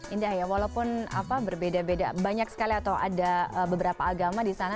indah ya walaupun berbeda beda banyak sekali atau ada beberapa agama di sana